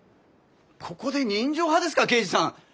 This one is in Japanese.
ここで人情派ですか刑事さん。